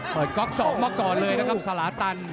เปิดก๊อกพกสละตัน